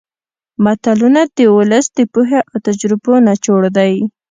متلونه د ولس د پوهې او تجربو نچوړ دي